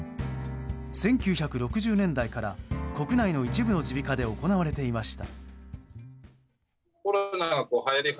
１９６０年代から国内の一部の耳鼻科で行われていました。